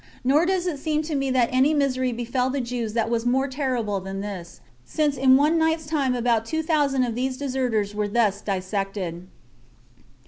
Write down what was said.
Nor does it seem to me that any misery befell the Jews that was more terrible than this, since in one night's time about two thousand of these deserters were thus dissected.